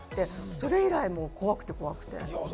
それ以来、怖くて怖くて。